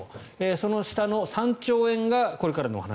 その下の３兆円がこれからのお話。